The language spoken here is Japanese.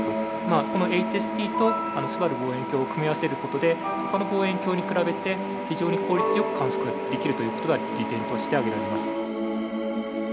このＨＳＣとすばる望遠鏡を組み合わせる事でほかの望遠鏡に比べて非常に効率よく観測ができるという事が利点として挙げられます。